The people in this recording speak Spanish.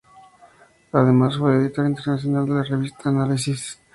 Además, fue editor internacional de la revista "Análisis".